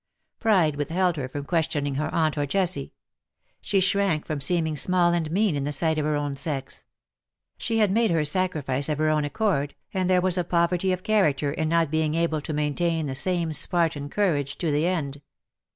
Pride withheld her from questioning her aunt or Jessie. She shrank from seeming small and mean in the sight of her own sex. She had made her sacrifice of her own accord, and there was a poverty of character in not being able to maintain the same Spartan courage to AND JOY A VANE THAT VEERS." 85 the end.